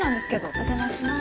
お邪魔します。